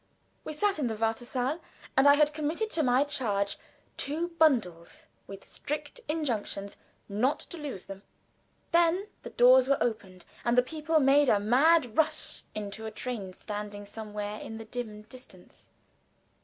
We sat in the wartesaal, and I had committed to my charge two bundles, with strict injunctions not to lose them. Then the doors were opened, and the people made a mad rush to a train standing somewhere in the dim distance.